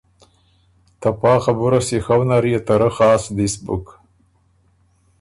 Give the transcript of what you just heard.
که ته پا خبُره سیخؤ نر يې ته رۀ خاص دِس بُک